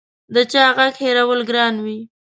د چا غږ هېرول ګران وي